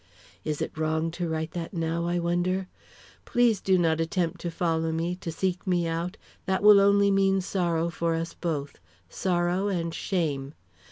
Is it wrong to write that now, I wonder? Please do not attempt to follow me, to seek me out; that will only mean sorrow for us both sorrow and shame.